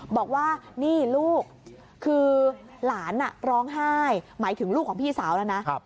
บอกว่านี่ลูกคือหลานร้องไห้หมายถึงลูกของพี่สาวแล้วนะ